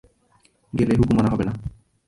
গেলে হুকুম মানা হবে না।